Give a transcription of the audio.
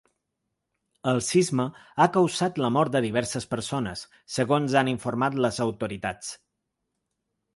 El sisme ha causat la mort de diverses persones, segons han informat les autoritats.